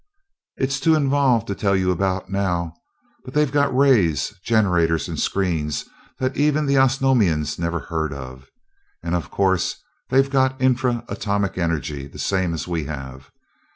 It's too involved to tell you about now, but they've got rays, generators, and screens that even the Osnomians never heard of. And of course they've got intra atomic energy the same as we have.